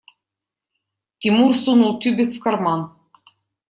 Тимур сунул тюбик в карман.